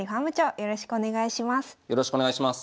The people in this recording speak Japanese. よろしくお願いします。